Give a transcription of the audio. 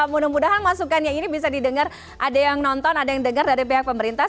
mudah mudahan masukannya ini bisa didengar ada yang nonton ada yang dengar dari pihak pemerintah